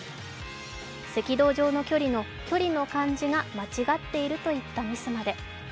「赤道上の距理」の「距離」の漢字が間違っているといったミスまで。